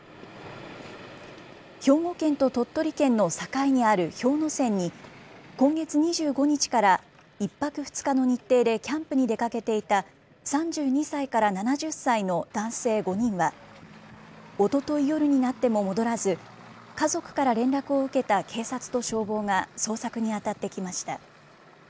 兵庫県と鳥取県の境にある氷ノ山に、今月２５日から１泊２日の日程でキャンプに出かけていた、３２歳から７０歳の男性５人は、おととい夜になっても戻らず、家族から連絡を受けた警察と消防が捜索に当たってきました。